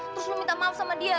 terus lu minta maaf sama dia